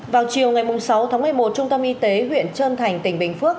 vào chiều ngày sáu tháng một mươi một trung tâm y tế huyện trơn thành tỉnh bình phước